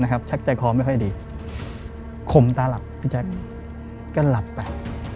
ชักใจคอไม่ค่อยดีข่มตาหลับพี่แจ๊คก็หลับไป